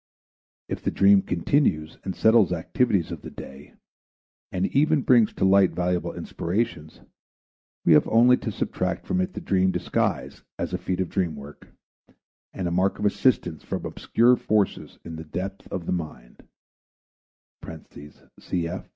If the dream continues and settles activities of the day and even brings to light valuable inspirations, we have only to subtract from it the dream disguise as a feat of dream work and a mark of assistance from obscure forces in the depth of the mind (_cf.